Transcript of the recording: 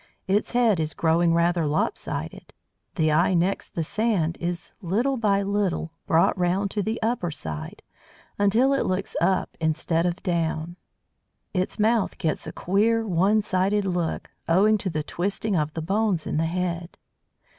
Its head is growing rather "lopsided." The eye next the sand is, little by little, brought round to the upper side, until it looks up instead of down. Its mouth gets a queer one sided look, owing to the twisting of the bones in the head.